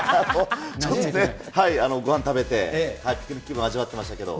ちょっとね、ごはん食べて、ピクニック気分味わってましたけど。